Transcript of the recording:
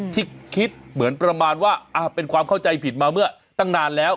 ที่คิดเหมือนประมาณว่าเป็นความเข้าใจผิดมาเมื่อตั้งนานแล้ว